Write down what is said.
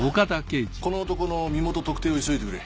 この男の身元特定を急いでくれ。